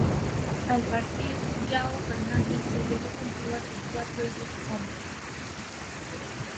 Al partir, João Fernandes se llevó consigo a sus cuatro hijos hombres.